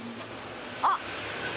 あっ。